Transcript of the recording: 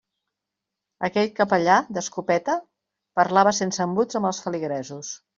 Aquell capellà d'escopeta parlava sense embuts amb els feligresos.